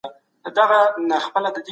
خونکار پاچا له ځایه تښتي.